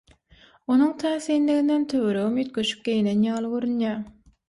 Onuň täsinliginden töweregem üýtgeşik geýnen ýaly görünýär.